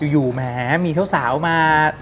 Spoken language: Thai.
อยู่แม้มีเท่าสาวมา